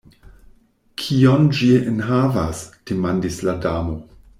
"Kion ĝi enhavas?" demandis la Damo.